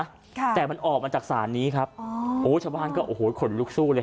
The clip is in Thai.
ค่ะแต่มันออกมาจากศาลนี้ครับอ๋อโอ้ชาวบ้านก็โอ้โหขนลุกสู้เลย